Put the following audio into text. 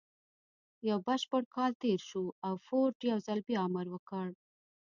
يو بشپړ کال تېر شو او فورډ يو ځل بيا امر وکړ.